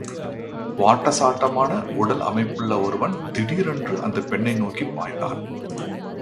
வாட்ட சாட்டமான உடல் அமைப்புள்ள ஒருவன், தீடிரென்று அந்த பெண்னை நோக்கிப் பாய்ந்தான்.